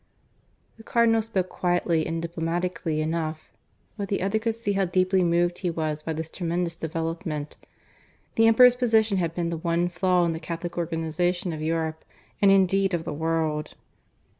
The Cardinal spoke quietly and diplomatically enough; but the other could see how deeply moved he was by this tremendous development. The Emperor's position had been the one flaw in the Catholic organization of Europe and indeed of the world.